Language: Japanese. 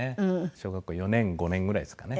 小学校４年５年ぐらいですかね。